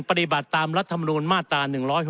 ปฏิบัติตามรัฐมนูลมาตรา๑๖๖